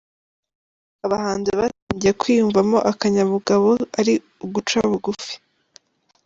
abahanzi batangiye kwiyumvamo akanyabugabo ari "Uguca Bugufi".